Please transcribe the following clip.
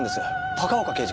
高岡刑事？